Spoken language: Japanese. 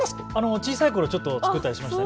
小さいころちょっと作ったりしました。